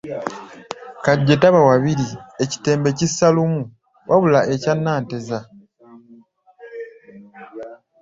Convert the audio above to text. Kaggye taba wabiri, ekitembe kissa lumu, wabula ekya Nanteza.